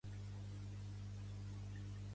Pertany al moviment independentista l'Ariel?